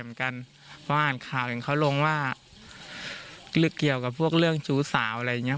เหมือนกันว่าคาวเขาลงว่าภาพได้ใกล้กับพวกเรื่องชู้สาวอะไร